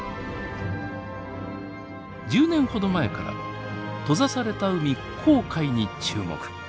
１０年ほど前から閉ざされた海紅海に注目。